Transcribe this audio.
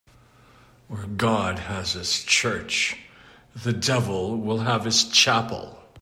Where God has his church, the devil will have his chapel